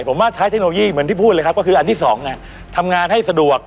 ผมว่าใช้เทคโนโลยีเหมือนที่พูดเลยครับก็คืออันที่สองทำงานให้สะดวก